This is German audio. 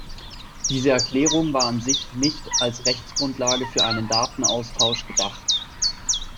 Diese Erklärung war an sich nicht als Rechtsgrundlage für einen Datenaustausch gedacht.